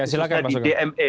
silahkan mas ugeng